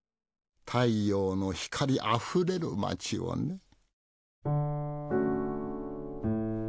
太陽の光あふれる街をね。